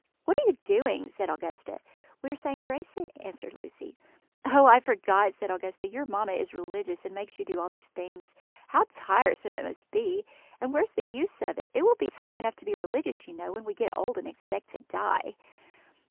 "What are you doing?" said Augusta. "We are saying grace," answered Lucy. "Oh, I forgot," said Augusta; "your mamma is religious, and makes you do all these things. How tiresome it must be! And where's the use of it? It will be time enough to be religious, you know, when we get old, and expect to die."